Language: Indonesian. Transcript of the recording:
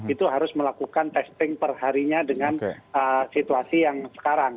itu harus melakukan testing perharinya dengan situasi yang sekarang